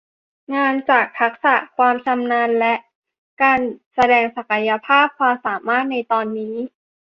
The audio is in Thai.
งานจากทักษะความชำนาญและการแสดงศักยภาพความสามารถในตอนนี้